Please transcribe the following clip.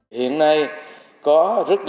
hiện nay có rất nhiều đơn vị hành chính